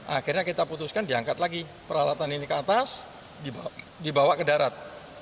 akhirnya kita putuskan diangkat lagi peralatan ini ke atas dibawa ke darat